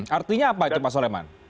artinya apa itu pak soleman